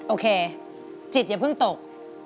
โอเคจิตอย่าเพิ่งตก